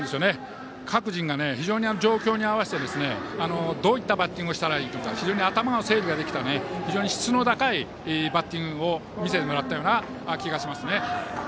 各人が状況にあわせてどういったバッティングをしたらいいかとか非常に頭の整理ができた非常に質の高いバッティングを見せてもらったような気がします。